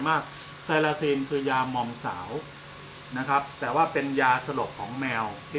ไซลาซีนคือยามอมสาวนะครับแต่ว่าเป็นยาสลบของแมวที่